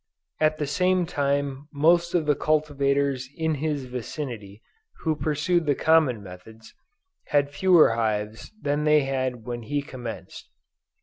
At the same time most of the cultivators in his vicinity who pursued the common methods, had fewer hives than they had when he commenced.